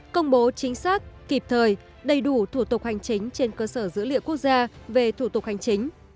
công bố chính xác kịp thời đầy đủ thủ tục hành chính trên cơ sở dữ liệu quốc gia về thủ tục hành chính